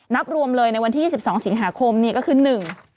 นับรวมเลยในวันที่๒๒สิงหาคมนี่ก็คือหนึ่ง